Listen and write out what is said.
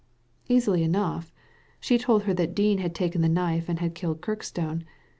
Easily enough I She told her that Dean had taken the knife and had killed Kirkstone.